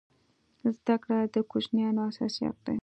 زده کړه د کوچنیانو اساسي حق دی.